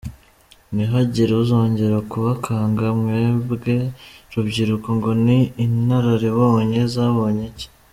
– Ntihagire uzongera kubakanga mwebwe Rubyiruko ngo ni “inararibonye” zabonye iki?